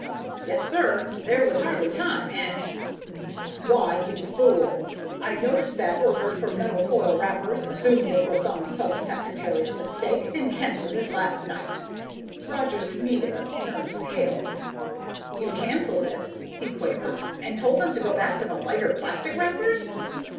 "Yes, sir. There was hardly time and " "Why, you fool! I noticed that order for metal foil wrappers, assumed it was some sub secretary's mistake, and canceled it last night!" Roger Snedden turned pale. "You canceled it?" he quavered. "And told them to go back to the lighter plastic wrappers?"